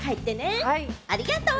ありがとう！